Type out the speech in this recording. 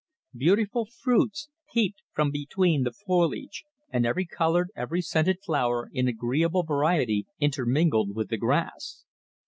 Beautiful fruits peeped from between the foliage, and every coloured, every scented flower, in agreeable variety intermingled with the grass.